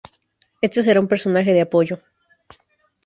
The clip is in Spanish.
Este será un personaje de Apoyo.